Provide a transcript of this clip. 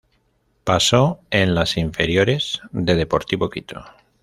Pasó en las inferiores de Deportivo Quito.